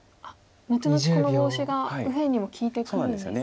後々このボウシが右辺にも利いてくるんですね。